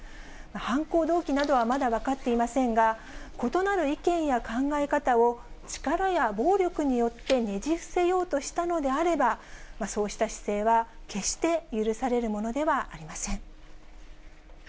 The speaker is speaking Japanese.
犯行動機などはまだ分かっていませんが、異なる意見や考え方を、力や暴力によってねじ伏せようとしたのであれば、そうした姿勢は決して許されるものではありません。